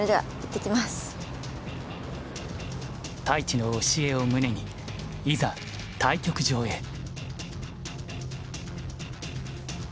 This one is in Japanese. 太地の教えを胸にいざ対局場へ。